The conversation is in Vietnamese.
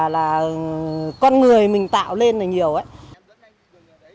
do là tôi nghĩ là con người mình tạo lên do là tôi nghĩ là con người mình tạo lên